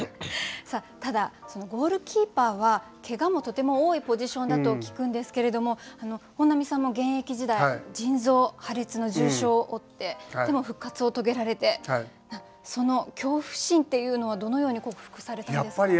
さあただそのゴールキーパーはけがもとても多いポジションだと聞くんですけれども本並さんも現役時代腎臓破裂の重傷を負ってでも復活を遂げられてその恐怖心っていうのはどのように克服されたんですか？